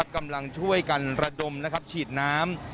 การระดมนะครับฉีดน้ำ